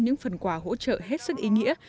những phần quà hỗ trợ hết sức ý nghĩa